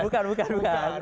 bukan bukan bukan